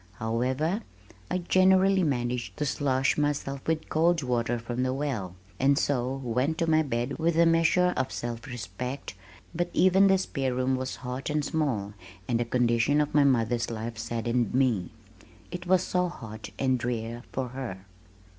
However, I generally managed to slosh myself with cold water from the well, and so went to my bed with a measure of self respect, but even the "spare room" was hot and small, and the conditions of my mother's life saddened me. It was so hot and drear for her!